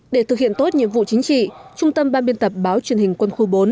để thực hiện tốt nhiệm vụ chính trị trung tâm ban biên tập báo truyền hình quân khu bốn